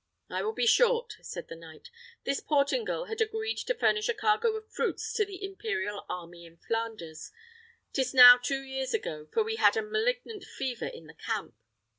"I will be short," said the knight. "This Portingal had agreed to furnish a cargo of fruits to the Imperial army in Flanders; 'tis now two years ago, for we had a malignant fever in the camp.